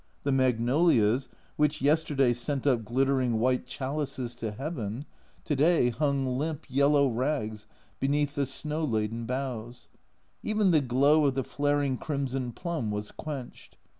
The magnolias which yesterday sent up glittering white A Journal from Japan 135 chalices to heaven, today hung limp yellow rags beneath the snow laden boughs ; even the glow of the flaring crimson plum was quenched.